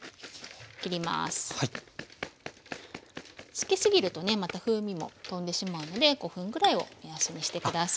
つけすぎるとねまた風味も飛んでしまうので５分ぐらいを目安にして下さい。